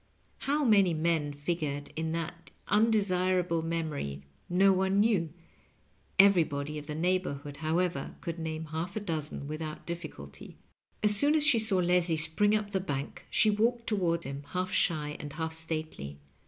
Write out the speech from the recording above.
How many men figured in that undesirable memory, no one knew; everybody of the neighborhood, however, could name half a dozen without diffic^ulty. As soon as she saw Leslie spring up the bank she walked toward him, half shy and half stately.